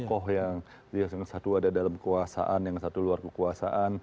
koh yang satu ada dalam kekuasaan yang satu luar kekuasaan